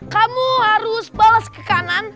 kamu harus bolos ke kanan